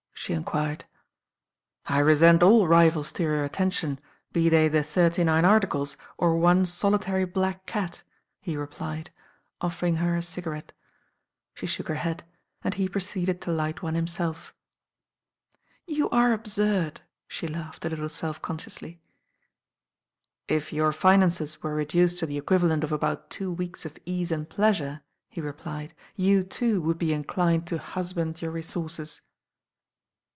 she enquired. "I resent all rivals to your attention, be they the Thirty Nine Articles or one solitary black cat," he replied, offering her a cigarette. She shook her head, and he proceeded to light one himself. "You are absurd," she laughed a little self consciously. "If your finances were reduced to the equivalent of about two weeks of ease and pleasure," he replied, "you, too, would be mdined to husband your resources."